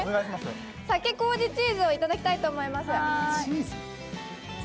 酒こうじチーズを頂きたいと思います。